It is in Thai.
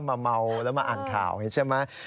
มาเมาและมาอ่านคราวนี้ใช่ไหม